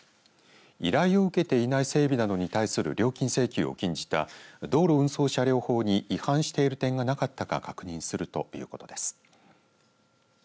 依頼を受けていない整備などに対する料金請求を禁じた道路運送車両法に違反している点がなかったか確認するということです。